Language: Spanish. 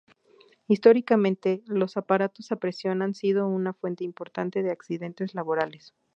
Históricamente los aparatos a presión han sido una fuente importante de accidentes laborales.